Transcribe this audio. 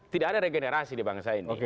tidak ada regenerasi di bangsa ini